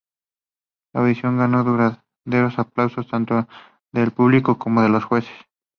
La audición ganó duraderos aplausos tanto de el público como de los jueces.